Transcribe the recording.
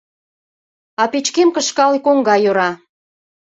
А печкем кышкал, коҥга йӧра.